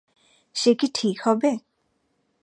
সে কি ঠিক হবে?